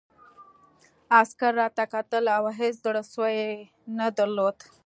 عسکر راته کتل او هېڅ زړه سوی یې نه درلود